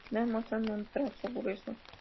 En general muestran un trazo grueso.